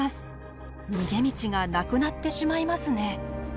逃げ道がなくなってしまいますね。